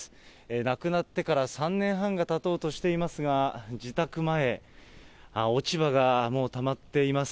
亡くなってから３年半がたとうとしていますが、自宅前、落ち葉がもうたまっています。